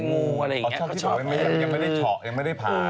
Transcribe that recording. ยังไม่ได้เศาะยังไม่ได้พา